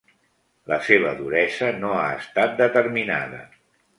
La seva duresa no ha estat determinada.